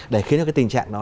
để khiến cho cái tình trạng đó